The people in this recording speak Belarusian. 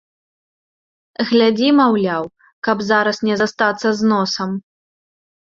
Глядзі, маўляў, каб зараз не застацца з носам!